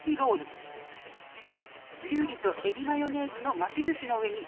「きゅうりとえびマヨネーズの巻き寿司の上に」